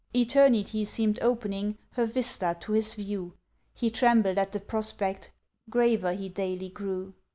Eternity seemed opening Her vista to his view, He trembled at the prospect, Graver he daily grew.